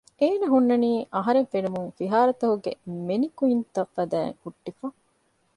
އޭނަ ހުންނަނީ އަހަރެން ފެނުމުން ފިހާރަތަކުގެ މެނިކުއިންތައް ފަދައިން ހުއްޓިފަ